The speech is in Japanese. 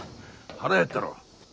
腹減ったろ。